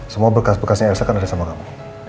semua bekas bekasnya rsa kan ada sama kamu